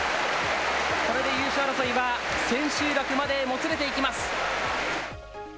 これで優勝争いは、千秋楽までもつれていきます。